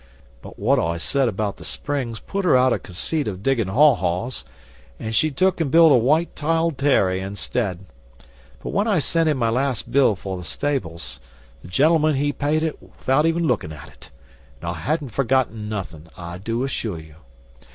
But what I said about the springs put her out o' conceit o' diggin' haw haws, an' she took an' built a white tile dairy instead. But when I sent in my last bill for the stables, the gentleman he paid it 'thout even lookin' at it, and I hadn't forgotten nothin', I do assure you.